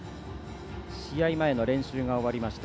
試合前の練習が終わりました。